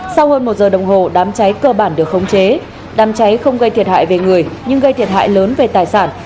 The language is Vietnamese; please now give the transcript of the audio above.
sau hơn một giờ đồng hồ đám cháy cơ bản được khống chế đám cháy không gây thiệt hại về người nhưng gây thiệt hại lớn về tài sản